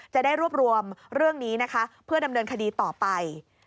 จะได้รวบรวมเรื่องนี้นะคะเพื่อดำเนินคดีต่อไป